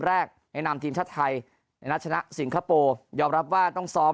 แรกในนามทีมชาติไทยในนัดชนะสิงคโปร์ยอมรับว่าต้องซ้อม